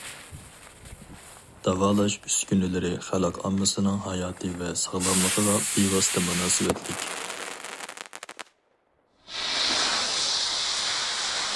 داۋالاش ئۈسكۈنىلىرى خەلق ئاممىسىنىڭ ھاياتى ۋە ساغلاملىقىغا بىۋاسىتە مۇناسىۋەتلىك.